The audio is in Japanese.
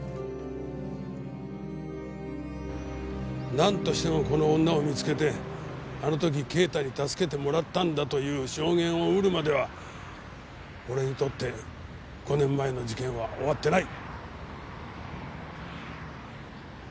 なんとしてもこの女を見つけてあの時啓太に助けてもらったんだという証言を得るまでは俺にとって５年前の事件は終わってない！